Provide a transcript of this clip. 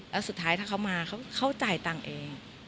แล้วสุดท้ายถ้าเขามาเขาจ่ายตังค์เอง